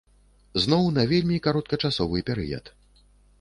Зноў на вельмі кароткачасовы перыяд.